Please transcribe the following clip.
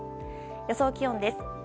予想気温です。